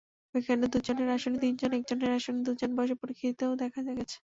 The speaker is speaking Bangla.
পরীক্ষাকেন্দ্রে দুজনের আসনে তিনজন, একজনের আসনে দুজন বসে পরীক্ষা দিতেও দেখা গেছে।